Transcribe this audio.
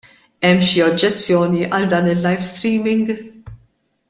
Hemm xi oġġezzjoni għal dan il-live streaming?